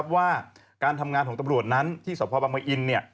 ว่าการทำงานของตบรวจนั้นที่สอบพ่อปลาปลาอินทร์